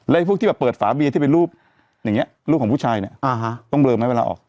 พวกที่แบบเปิดฝาเบียที่เป็นรูปอย่างนี้รูปของผู้ชายเนี่ยต้องเลอไหมเวลาออก